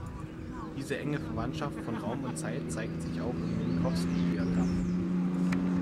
Diese enge Verwandtschaft von Raum und Zeit zeigt sich auch im Minkowski-Diagramm.